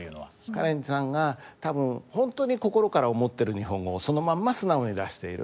カレンさんが多分本当に心から思ってる日本語をそのまんま素直に出している。